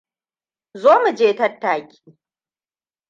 Zo, mu je tattaki.